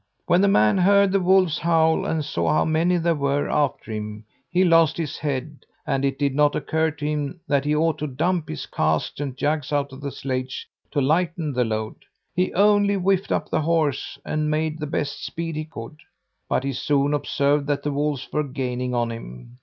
"When the man heard the wolves howl and saw how many there were after him, he lost his head, and it did not occur to him that he ought to dump his casks and jugs out of the sledge, to lighten the load. He only whipped up the horse and made the best speed he could, but he soon observed that the wolves were gaining on him.